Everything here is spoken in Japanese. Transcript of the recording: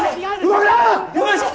動くな！